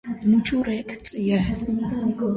მუჭო რექ წიე